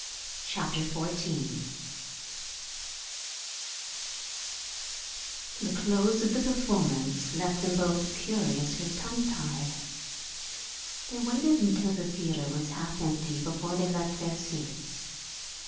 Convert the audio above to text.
CHAPTER XIV The close of the performance left them both curiously tongue tied. They waited until the theatre was half empty before they left their seats.